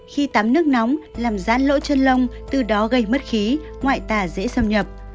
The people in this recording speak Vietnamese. khi tắm nước nóng làm rát lỗ chân lông từ đó gây mất khí ngoại tà dễ xâm nhập